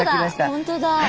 本当だ！